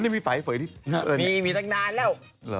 มีตั้งนานแล้ว